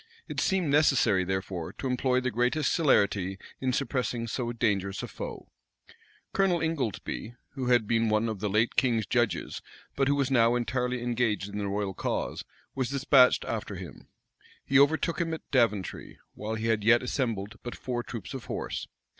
It seemed necessary, therefore, to employ the greatest celerity in suppressing so dangerous a foe: Colonel Ingoldsby, who had been one of the late king's judges, but who was now entirely engaged in the royal cause, was despatched after him. He overtook him at Daventry, while he had yet assembled but four troops of horse.